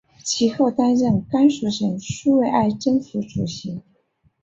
其后担任甘肃省苏维埃政府主席。